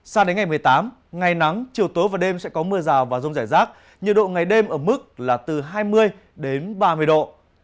sao đến ngày một mươi tám ngày nắng chiều tối và đêm sẽ có mưa rào và rông rải rác nhiệt độ ngày đêm ở mức là từ hai mươi đến ba mươi độ